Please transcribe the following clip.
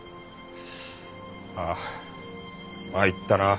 ああ参ったな。